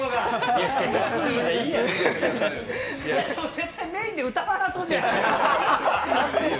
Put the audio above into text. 絶対メインで唄わなそうじゃん。